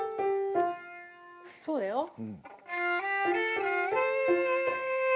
そうだよ。